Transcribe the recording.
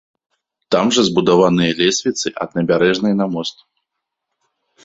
Там жа збудаваныя лесвіцы ад набярэжнай на мост.